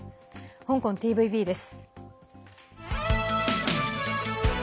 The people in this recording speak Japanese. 香港ＴＶＢです。